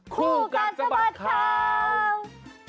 คู่กัดสะบัดข่าว